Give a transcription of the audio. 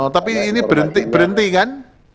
oh tapi ini berhenti kan